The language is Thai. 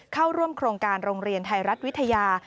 เข้าร่วมโครงการโรงเรียนไทยรัฐวิทยา